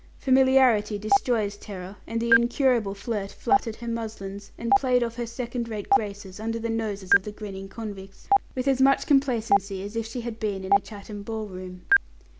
Familiarity destroys terror, and the incurable flirt, fluttered her muslins, and played off her second rate graces, under the noses of the grinning convicts, with as much complacency as if she had been in a Chatham ball room.